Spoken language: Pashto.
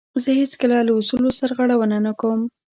زه هیڅکله له اصولو سرغړونه نه کوم.